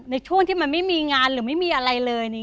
ในช่วงที่มันไม่มีงานหรือไม่มีอะไรเลย